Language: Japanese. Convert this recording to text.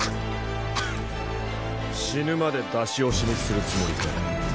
死ぬまで出し惜しみするつもりか？